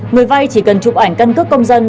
người vay chỉ cần chụp ảnh căn cước công dân